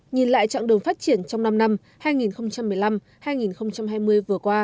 nhìn lại trạng đường phát triển trong năm năm hai nghìn một mươi năm hai nghìn hai mươi vừa qua